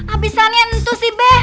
abisannya itu sih be